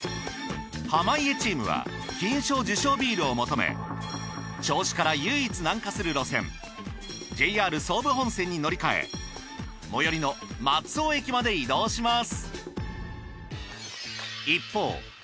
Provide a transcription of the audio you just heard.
濱家チームは金賞受賞ビールを求め銚子から唯一南下する路線ＪＲ総武本線に乗り換え最寄りの松尾駅まで移動します。